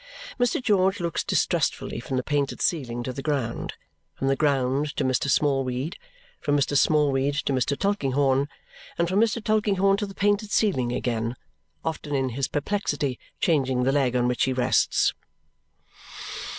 Mr. George looks distrustfully from the painted ceiling to the ground, from the ground to Mr. Smallweed, from Mr. Smallweed to Mr. Tulkinghorn, and from Mr. Tulkinghorn to the painted ceiling again, often in his perplexity changing the leg on which he rests.